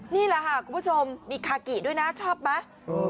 นี่แหละค่ะคุณผู้ชมมีคากิด้วยนะชอบไหม